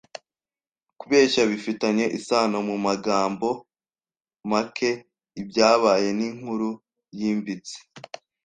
kubeshya, bifitanye isano mumagambo make ibyabaye. Ninkuru yimbitse